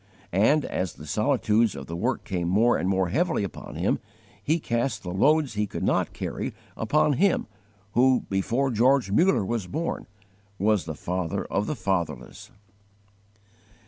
And, as the solicitudes of the work came more and more heavily upon him, he cast the loads he could not carry upon Him who, before George Muller was born, was the Father of the fatherless.